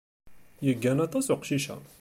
Yeggan aṭas uqcic-a.